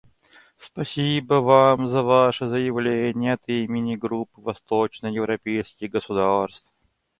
Спасибо Вам за Ваше заявление от имени Группы восточноевропейских государств.